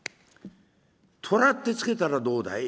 虎って付けたらどうだい」。